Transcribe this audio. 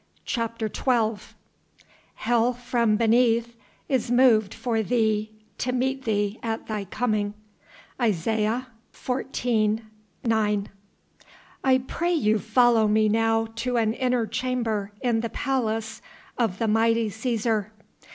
CHAPTER XII "Hell from beneath is moved for thee to meet thee at thy coming." ISAIAH XIV. 9. I pray you follow me now to an inner chamber in the palace of the mighty Cæsar.